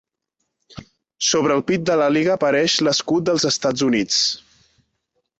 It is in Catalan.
Sobre el pit de l'àliga apareix l'escut dels Estats Units.